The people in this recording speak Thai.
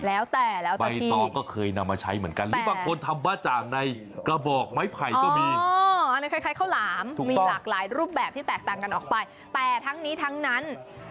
แล้วแต่แล้วแต่ที่ใบต่อก็เคยนำมาใช้เหมือนกัน